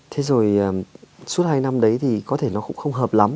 thế rồi suốt hai năm đấy thì có thể nó cũng không hợp lắm